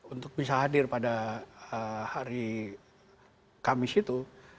untuk bisa hadir pada hari kamis itu